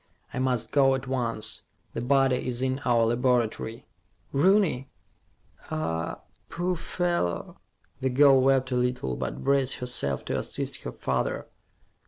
I must go at once. The body is in our laboratory." "Rooney? Ah, poor fellow." The girl wept a little, but braced herself to assist her father.